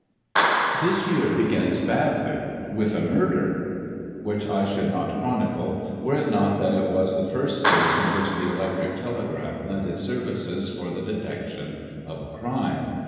This year begins badly — ^with a murder — which I should not chronicle, were it not that it was the first case in which the electric telegraph lent its services for the detection of a crime.